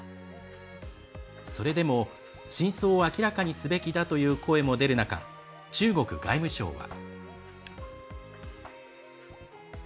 それでも真相を明らかにすべきだという声も出る中中国外務省は。